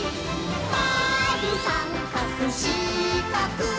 「まるさんかくしかく」